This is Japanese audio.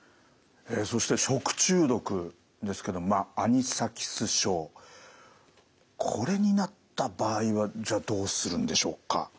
そして食中毒ですけどもアニサキス症これになった場合はどうするんでしょうか。